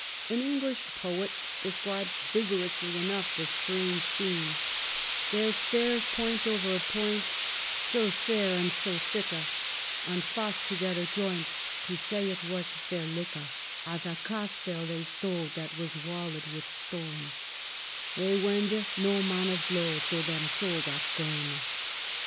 An English poet describes vigorously enough the strange scene :—" There speres poynt over poynt, so sare and so thikke. And fast togidere joynt, to se it was verlike, As a castelle thei stode that were walled with stone, Thei wende no man of blode though tham suld liaf gone."